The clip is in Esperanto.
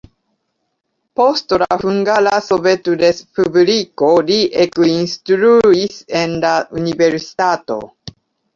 Post la Hungara Sovetrespubliko li ekinstruis en la universitato.